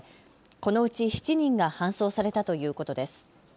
このうち７人が搬送されたということです。